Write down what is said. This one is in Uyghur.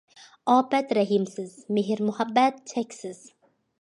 ئاپەت رەھىمسىز، مېھىر- مۇھەببەت چەكسىز.